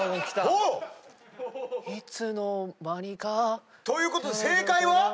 「いつの間にか」ということで正解は？